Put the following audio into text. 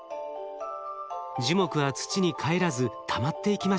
樹木は土にかえらずたまっていきました。